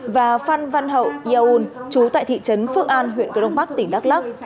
và phan văn hậu iaun chú tại thị trấn phước an huyện cơ đông bắc tỉnh đắk lắc